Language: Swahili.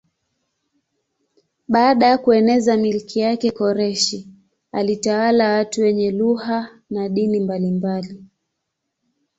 Baada ya kueneza milki yake Koreshi alitawala watu wenye lugha na dini mbalimbali.